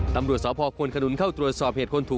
ตำรวจสพควนขนุนเข้าตรวจสอบเหตุคนถูก